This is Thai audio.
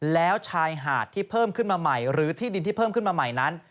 แล้วชายหาดที่เพิ่มขึ้นมาใหม่หรือที่ดินที่เพิ่มขึ้นมาใหม่นั้น